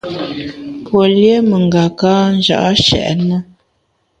Pue lié mengaka nja’ nshèt ne.